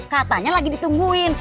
katanya lagi ditungguin